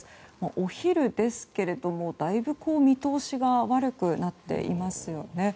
お昼ですけれども、だいぶ見通しが悪くなっていますよね。